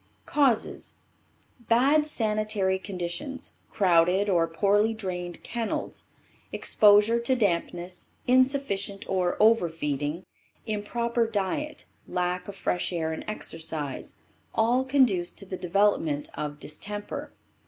CAUSES Bad sanitary conditions, crowded or poorly drained kennels, exposure to dampness, insufficient or over feeding, improper diet, lack of fresh air and exercise, all conduce to the development of distemper.